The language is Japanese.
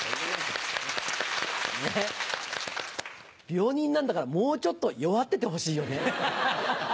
病人なんだからもうちょっと弱っててほしいよね。